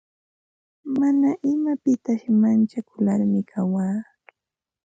Mana imapitasi manchakularmi kawaa.